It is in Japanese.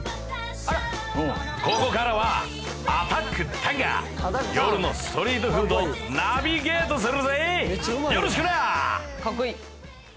ここからはアタック・タンが夜のストリートフードをナビゲートするぜよろしくな！